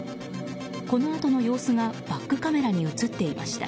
このあとの様子がバックカメラに映っていました。